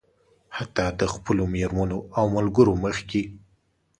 حتيٰ د خپلو مېرمنو او ملګرو مخکې.